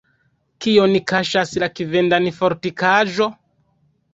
Kion kaŝas la Kvendan-fortikaĵo?